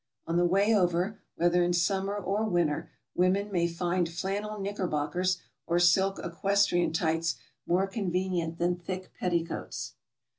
On the way over, whether in summer or w'inter, women may find flannel knickerbockers or silk equestrian tights more convenient than thick petticoats.